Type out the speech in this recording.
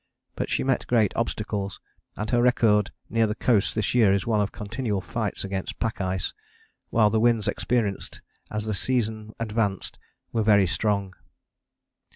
But she met great obstacles, and her record near the coasts this year is one of continual fights against pack ice, while the winds experienced as the season advanced were very strong.